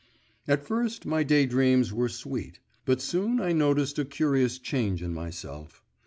At first my day dreams were sweet, but soon I noticed a curious change in myself.